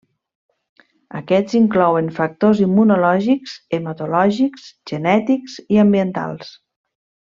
Aquests inclouen factors immunològics, hematològics, genètics i ambientals.